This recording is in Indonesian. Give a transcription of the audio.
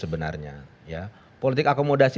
sebenarnya politik akomodasi